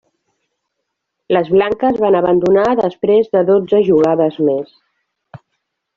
Les blanques van abandonar després de dotze jugades més.